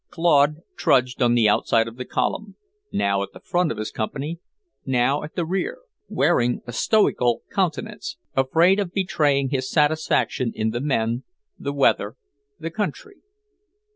Claude trudged on the outside of the column, now at the front of his company, now at the rear, wearing a stoical countenance, afraid of betraying his satisfaction in the men, the weather, the country.